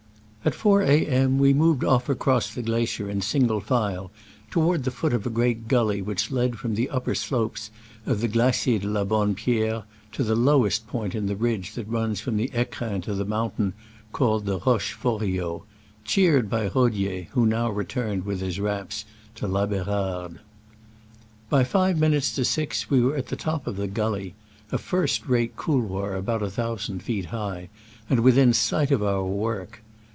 At 4 A. M. we moved off across the glacier in single file toward the foot of a great gully which led from the upper slopes of the Glacier de la Bonne Pierre to the lowest point in the ridge that runs from the fecrins to the mountain called Roche Faurio — cheered by Rodier, who now returned with his wraps to La Berarde. By five minutes to six we were at the top of the gully (a first rate couloir about one thousand feet high), and within sight of our work.